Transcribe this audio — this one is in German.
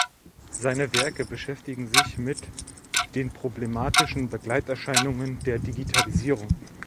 Seine Werke beschäftigen sich mit den problematischen Begleiterscheinungen der Digitalisierung.